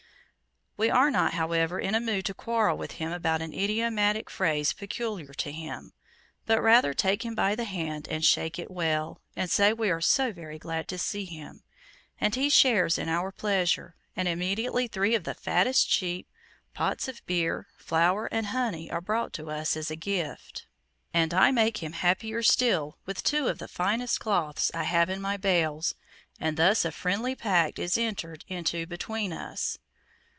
We are not, however, in a mood to quarrel with him about an idiomatic phrase peculiar to him, but rather take him by the hand and shake it well, and say we are so very glad to see him. And he shares in our pleasure, and immediately three of the fattest sheep, pots of beer, flour, and honey are brought to us as a gift, and I make him happier still with two of the finest cloths I have in my bales; and thus a friendly pact is entered into between us.